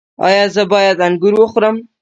ایا زه باید انګور وخورم؟